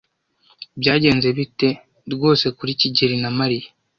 Byagenze bite rwose kuri kigeli na Mariya?